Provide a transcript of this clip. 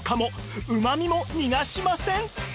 うまみも逃がしません！